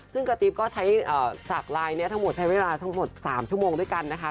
ซึ่งกระติ๊บก็ใช้จากไลน์นี้ทั้งหมดใช้เวลาทั้งหมด๓ชั่วโมงด้วยกันนะคะ